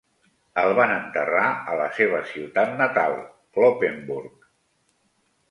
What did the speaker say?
El van enterrar a la seva ciutat natal, Cloppenburg.